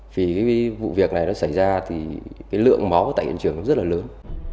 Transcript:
vì cái vụ việc này nó xảy ra thì cái lượng máu tại hiện trường rất là lớn